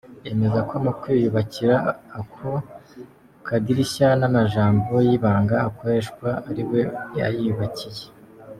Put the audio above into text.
Yemeza ko mu kwiyubakira ako kadirisha, n'amajambo y'ibanga akoreshwa ariwe yayiyubakiye.